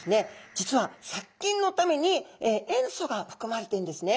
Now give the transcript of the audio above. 実は殺菌のために塩素が含まれてんですね。